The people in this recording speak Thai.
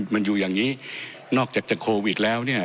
มันอยู่อย่างนี้นอกจากจะโควิดแล้วเนี่ย